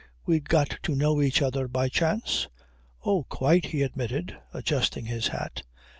"We got to know each other by chance?" "Oh, quite!" he admitted, adjusting his hat.